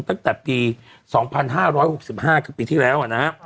ตั้งแต่ปี๒๕๖๕กับปีที่แล้ว